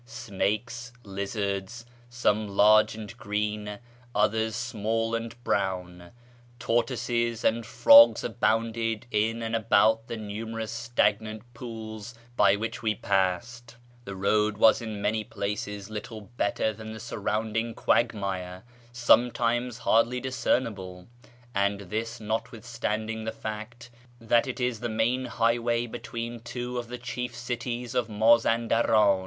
Snakes, lizards (some large and green, others small and brown), tortoises, and frogs abounded in and about the numerous stagnant pools by which we passed. The road was in many places little better than the surrounding quagmire, sometimes hardly discernible ; and this notwithstanding the fact that it is the main highway between two of the chief cities of Mazau daran.